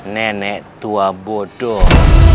nenek tua bodoh